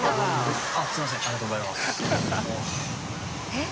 えっ？